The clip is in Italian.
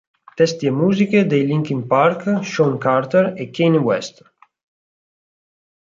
Testi e musiche dei Linkin Park, Shawn Carter e Kanye West.